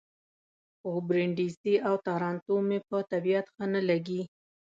خو برېنډېسي او تارانتو مې په طبیعت ښه نه لګي.